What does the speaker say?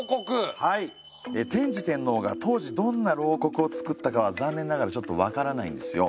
天智天皇が当時どんな漏刻をつくったかは残念ながらちょっと分からないんですよ。